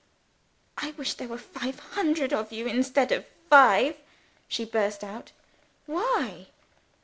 "I wish there were five hundred of you, instead of five?" she burst out. "Why?"